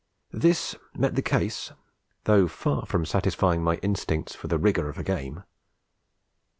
This met the case though far from satisfying my instincts for the rigour of a game.